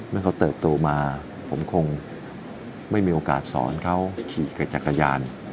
เมื่อเขาเติบโตมาผมคงไม่มีโอกาสสอนเขาขี่กับจักรยาน